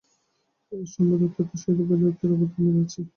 এই সম্প্রদায়ের মতের সহিত বেদান্তের অদ্বৈতবাদের অনেক মিল আছে।